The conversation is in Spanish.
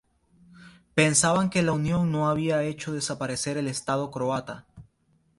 Pensaban que la unión no había hecho desaparecer el Estado croata.